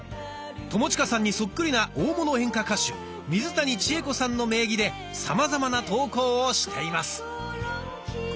友近さんにそっくりな大物演歌歌手水谷千重子さんの名義でさまざまな投稿をしています。